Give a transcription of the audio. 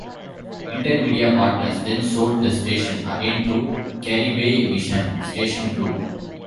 InterMedia Partners then sold the station again to Caribevision Station Group.